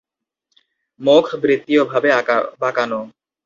মুখ বৃত্তীয় ভাবে বাঁকানো।